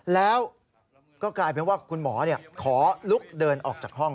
แล้วก็กลายเป็นว่าคุณหมอขอลุกเดินออกจากห้อง